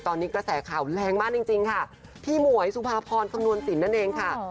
ตอนนี้กระแสข่าวแรงมากจริงค่ะพี่หมวยสุภาพรคำนวณสินนั่นเองค่ะ